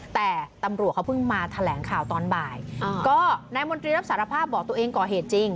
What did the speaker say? แต่ตำรวจเขาเพิ่งมาแถลงข่าวตอนบ่ายก็นายมนตรีรับสารภาพบอกตัวเองก่อเหตุจริง